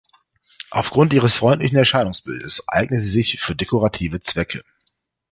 Aufgrund ihres freundlichen Erscheinungsbildes eignet sie sich für dekorative Zwecke.